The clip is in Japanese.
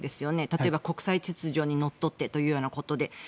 例えば国際秩序にのっとってというようなことで。